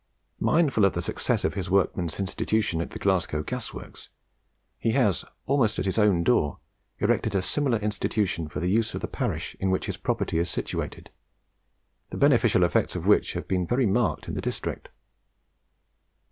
Mindful of the success of his Workmen's Institution at the Glasgow Gas Works, he has, almost at his own door, erected a similar Institution for the use of the parish in which his property is situated, the beneficial effects of which have been very marked in the district.